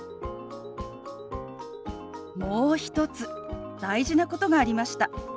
もう一つ大事なことがありました。